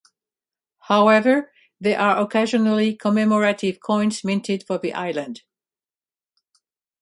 However, there are occasionally commemorative coins minted for the island.